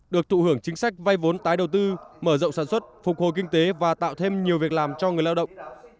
được thụ hưởng chính sách vay vốn tái đầu tư mở rộng sản xuất phục hồi kinh tế và tạo thêm nhiều việc làm cho người lao động